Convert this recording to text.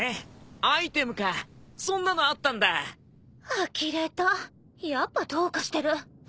あきれたやっぱどうかしてる。